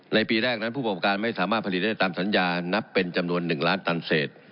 ปีแรกนั้นผู้ประกอบการไม่สามารถผลิตได้ตามสัญญานับเป็นจำนวน๑ล้านตันเศษ